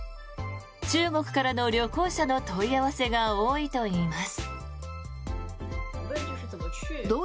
中国からの旅行者の問い合わせが多いといいます。